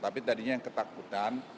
tapi tadinya yang ketakutan